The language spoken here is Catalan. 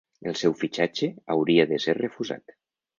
El seu fitxatge hauria de ser refusat.